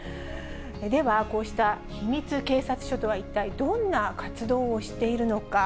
では、こうした秘密警察署とは、一体どんな活動をしているのか。